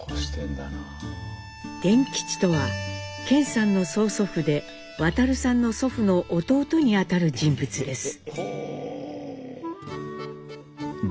傳吉とは顕さんの曽祖父で亘さんの祖父の弟にあたる人物です。